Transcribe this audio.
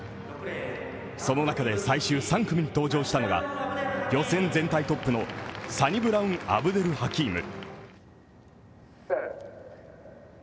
その中で最終３組に登場したのが、予選全体トップのサニブラウン・アブデル・ハキーム。